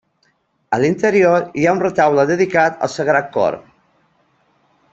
A l'interior hi ha un retaule dedicat al Sagrat Cor.